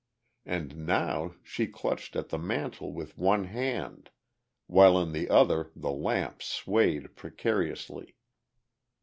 And now she clutched at the mantel with one hand while in the other the lamp swayed precariously.